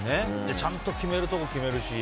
ちゃんと決めるところ決めるし。